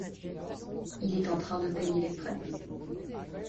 Il est en train de payer les frais ?